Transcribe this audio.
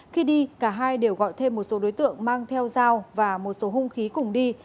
khi đi cả hai đều gọi thêm một số đối tượng mang theo dao và một số hung khí cùng đi